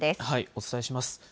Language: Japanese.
お伝えします。